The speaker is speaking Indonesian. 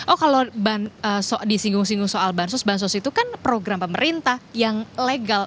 oh kalau disinggung singgung soal bansos bansos itu kan program pemerintah yang legal